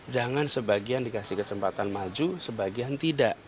jangan sebagian dikasih kesempatan maju sebagian tidak